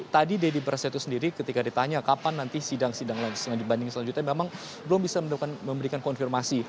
tadi deddy prasetyo sendiri ketika ditanya kapan nanti sidang sidang banding selanjutnya memang belum bisa memberikan konfirmasi